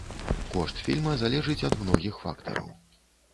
Кошт фільма залежыць ад многіх фактараў.